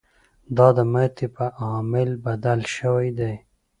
دا د ماتې په عامل بدل شوی دی.